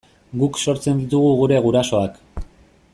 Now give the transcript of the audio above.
Guk sortzen ditugu gure gurasoak.